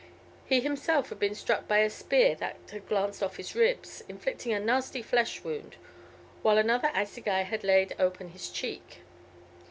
He himself had been struck by a spear that had glanced off his ribs, inflicting a nasty flesh wound, while another assegai had laid open his cheek.